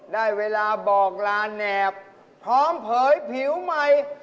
ได้เวลาบอกลาแหนบพร้อมเผยผิวใหม่